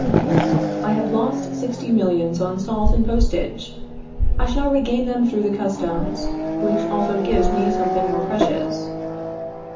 I have lost sixty millions on salt and postage. I shall regain them through the customs; which also gives me something more precious.